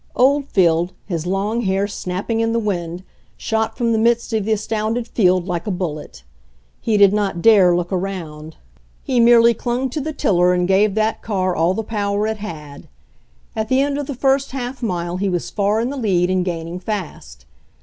Oldfield, his long hair snapping in the wind, shot from the midst of the astounded field like a bullet. He did not dare look around ; he merely CLINGING TO A PRINCIPLE 119 clung to the tiller and gave that car all the power it had. At the end of the first half mile he was far in the lead and gaining fast.